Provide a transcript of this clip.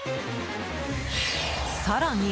更に。